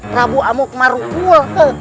prabu amuk marukul